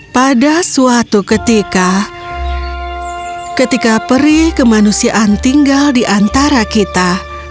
pada suatu ketika ketika perih kemanusiaan tinggal di antara kita